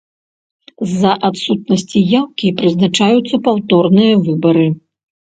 З-за адсутнасці яўкі прызначаюцца паўторныя выбары.